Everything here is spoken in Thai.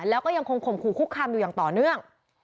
แล้วก็ยังคงข่มขู่คุกคามอยู่อย่างต่อเนื่อง